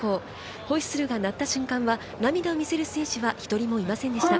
ホイッスルが鳴った瞬間は涙を見せる選手は１人もいませんでした。